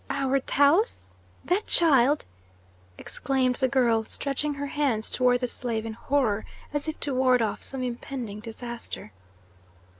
"Our Taus? That child?" exclaimed the girl, stretching her hands toward the slave in horror, as if to ward off some impending disaster.